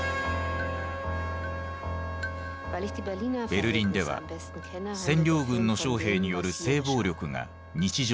ベルリンでは占領軍の将兵による性暴力が日常